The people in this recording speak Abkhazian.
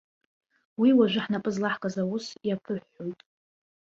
Уи уажәы ҳнапы злаҳкыз аус иаԥыҳәҳәоит.